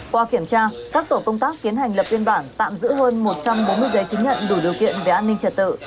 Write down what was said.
qua kiểm tra các tổ công tác tiến hành lập biên bản tạm giữ hơn một trăm bốn mươi giấy chứng nhận đủ điều kiện về an ninh trật tự